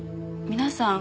皆さん？